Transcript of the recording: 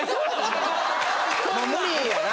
無理やな。